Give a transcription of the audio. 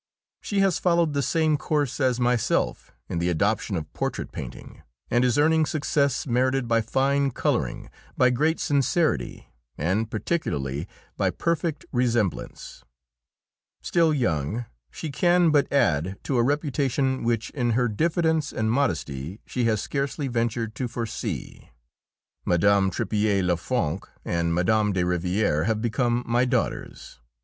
She has followed the same course as myself in the adoption of portrait painting, and is earning success merited by fine colouring, by great sincerity, and, particularly, by perfect resemblance. Still young, she can but add to a reputation which in her diffidence and modesty she has scarcely ventured to foresee. Mme. Tripier Le Franc and Mme. de Rivière have become my daughters.